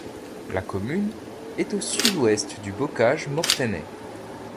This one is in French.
La commune est au sud-ouest du bocage mortainais.